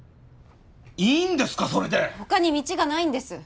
いいんですかそれで他に道がないんです